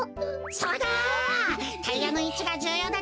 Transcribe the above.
そうだ！